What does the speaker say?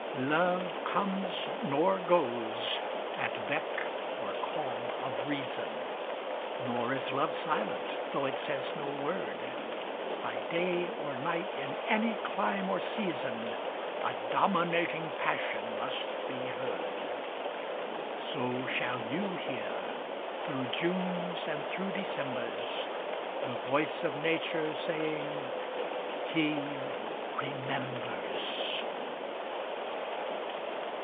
Love comes, nor goes, at beck or call of reason, Nor is love silent though it says no word; By day or night, in any clime or season, A dominating passion must be heard. So shall you hear, through Junes and through Decembers, The voice of Nature saying, "He remembers."